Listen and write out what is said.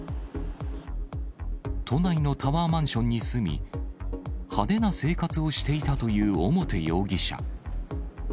都内のタワーマンションに住み、派手な生活をしていたという表容疑者。